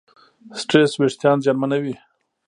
سټرېس وېښتيان زیانمنوي.